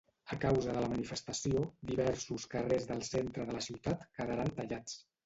A causa de la manifestació, diversos carrers del centre de la ciutat quedaran tallats.